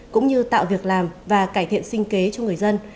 cũng như tạo việc làm và cải thiện sinh kế cho người dân